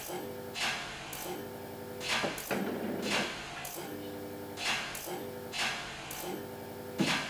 V češtině neexistuje odpovídající označení ženského rodu.